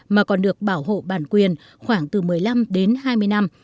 mà còn được bảo hộ bản quyền khoảng từ một mươi năm đến hai mươi năm